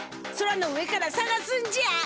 空の上からさがすんじゃ！